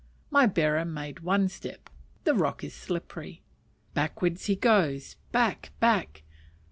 My bearer made one step; the rock is slippery; backwards he goes; back, back!